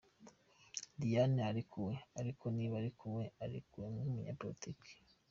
Diane ararekuwe, ariko niba arekuwe, arekuwe nk’umunyapolitiki.